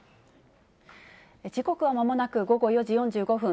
時刻はまもなく午後４時４５分。